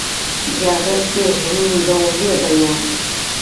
Я гэткіх жміндаў ведаю!